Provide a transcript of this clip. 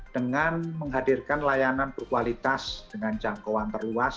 dengan menghadirkan layanan berkualitas dengan jangkauan terluas